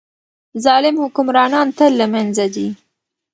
ظالم حکمرانان تل له منځه ځي.